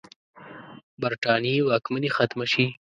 برټانیې واکمني ختمه شي.